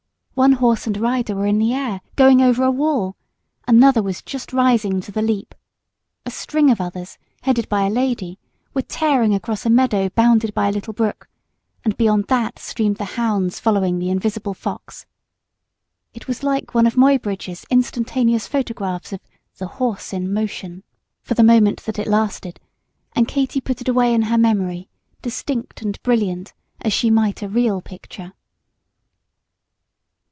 One horse and rider were in the air, going over a wall. Another was just rising to the leap. A string of others, headed by a lady, were tearing across a meadow bounded by a little brook, and beyond that streamed the hounds following the invisible fox. It was like one of Muybridge's instantaneous photographs of "The Horse in Motion," for the moment that it lasted; and Katy put it away in her memory, distinct and brilliant, as she might a real picture.